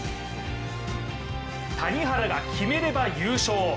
谷原が決めれば優勝。